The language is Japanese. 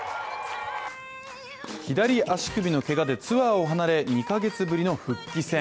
左足首のけがでツアーを離れ２カ月ぶりの復帰戦。